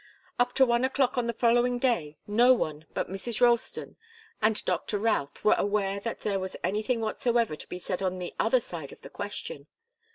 Up to one o'clock on the following day no one but Mrs. Ralston and Doctor Routh were aware that there was anything whatsoever to be said on the other side of the question.